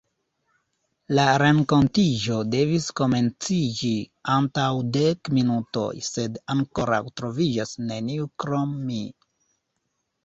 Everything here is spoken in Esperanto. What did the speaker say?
La renkontiĝo devis komenciĝi antaŭ dek minutoj, sed ankoraŭ troviĝas neniu krom mi.